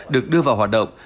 được đưa vào hoạt động